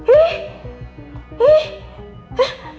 ih ih eh